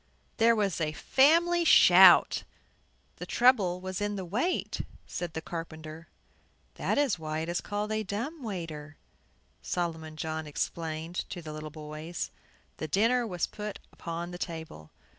There was a family shout. "The trouble was in the weight," said the carpenter. "That is why it is called a dumb waiter," Solomon John explained to the little boys. The dinner was put upon the table.